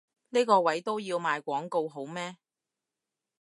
呢個位都要賣廣告好咩？